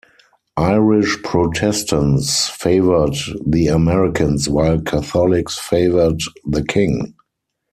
Irish Protestants favored the Americans, while Catholics favored the King.